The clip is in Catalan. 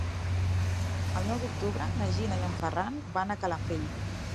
El nou d'octubre na Gina i en Ferran van a Calafell.